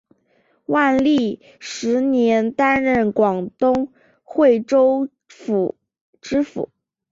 万历十年担任广东惠州府知府。